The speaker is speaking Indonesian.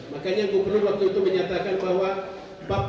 makanya aku perlu waktu itu menyatakan bahwa